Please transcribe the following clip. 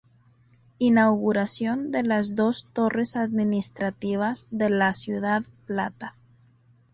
Inauguración de las dos torres administrativas de La Ciudad Plata.